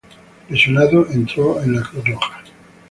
Lesionado, entró a la Cruz Roja.